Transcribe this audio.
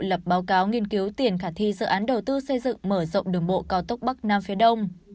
lập báo cáo nghiên cứu tiền khả thi dự án đầu tư xây dựng mở rộng đường bộ cao tốc bắc nam phía đông